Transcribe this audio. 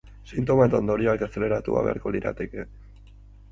Sintoma eta ondorioak azaleratu beharko lirateke.